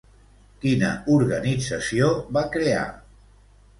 Quina organització va crear?